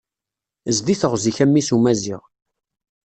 Zdi teɣzi-k a mmi-s n umaziɣ